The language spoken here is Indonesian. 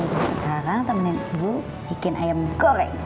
sekarang temannya ibu bikin ayam goreng